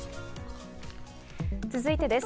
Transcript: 続いてです。